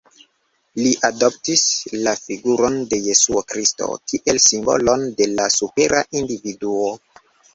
Li adoptis la figuron de Jesuo Kristo kiel simbolon de la supera individuo.